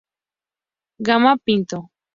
Gama Pinto".